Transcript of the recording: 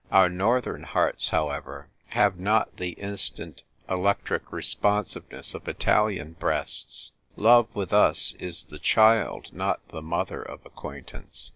Our northern hearts, however, have not the instant electric responsiveness of Italian breasts. Love with us is the child, not the mother of acquaintance.